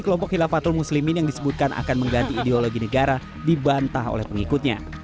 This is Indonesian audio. kelompok hilafatul muslimin yang disebutkan akan mengganti ideologi negara dibantah oleh pengikutnya